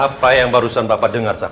apa yang barusan bapak dengar saat